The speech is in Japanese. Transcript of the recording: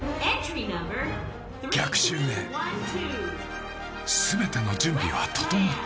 逆襲へ、すべての準備は整った。